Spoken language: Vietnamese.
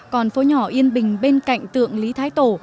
còn phố nhỏ yên bình bên cạnh tượng lý thái tổ